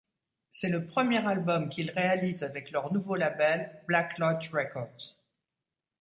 C'est le premier album qu'ils réalisent avec leur nouveau label Black Lodge Records.